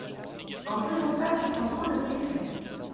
En faisant ça, tu prends trop de risques.